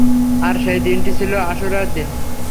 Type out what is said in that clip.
আর সেই দিনটি ছিল আশুরার দিন।